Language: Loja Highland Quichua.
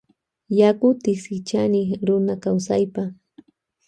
Yaku tiksichanik runa kawsaypa.